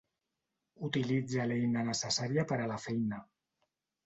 Utilitza l'eina necessària per a la feina.